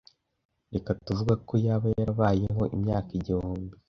Reka tuvuge ko yaba yarabayeho imyaka igihumbi